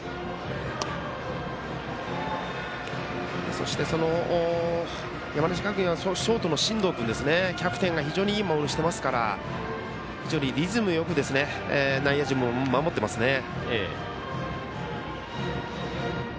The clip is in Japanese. そして、山梨学院はショートの進藤君キャプテンが非常に、いい守りしてますからリズムよく内野陣も守っていますね。